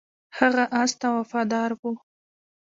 هغه اس ته وفادار و.